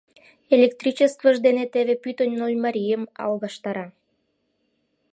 Электричествыж дене теве пӱтынь Нольмарийым алгаштара.